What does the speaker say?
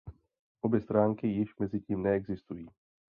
Obě stránky již mezitím neexistují.